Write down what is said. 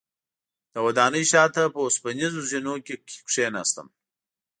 د ودانۍ شاته په اوسپنیزو زینو کې کیناستم.